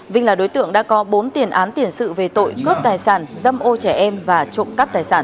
vinh là đối tượng đã có bốn tiền án tiền sự về tội cướp tài sản dâm ô trẻ em và trộm cắp tài sản